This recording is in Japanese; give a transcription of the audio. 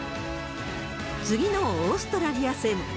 次のオーストラリア戦。